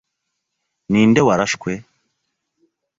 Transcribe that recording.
Ninde warashwe?